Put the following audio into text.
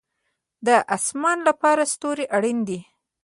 د اسمان لپاره ستوري اړین دي